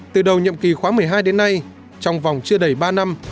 từ đầu nhậm kỳ khóa một mươi hai đến nay trong vòng chưa đầy ba năm